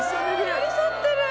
寄り添ってる！